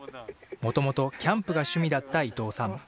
もともとキャンプが趣味だった伊藤さん。